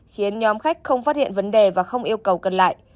khiến nhóm khách không phát hiện vấn đề và không yêu cầu cần lại